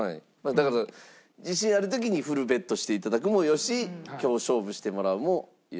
だから自信ある時にフルベットして頂くもよし今日勝負してもらうもよし。